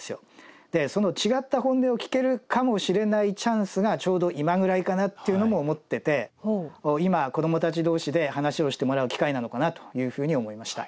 でその違った本音を聞けるかもしれないチャンスがちょうど今ぐらいかなっていうのも思ってて今子どもたち同士で話をしてもらう機会なのかなというふうに思いました。